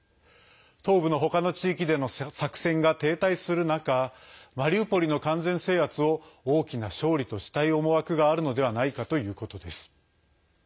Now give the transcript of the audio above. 東部のほかの地域での作戦が停滞する中マリウポリの完全制圧を大きな勝利としたい思惑があるのではないかということです。